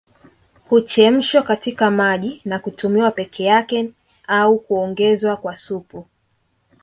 Huchemshwa katika maji na kutumiwa peke yake au huongezwa kwa supu